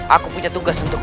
aku punya tugas untukmu